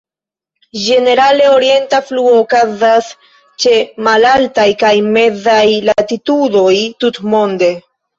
Ĝenerale, orienta fluo okazas ĉe malaltaj kaj mezaj latitudoj tutmonde.